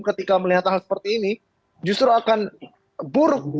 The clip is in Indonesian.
ketika melihat hal seperti ini justru akan buruk